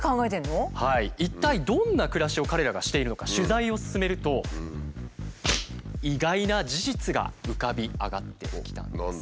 一体どんな暮らしを彼らがしているのか取材を進めると意外な事実が浮かび上がってきたんです。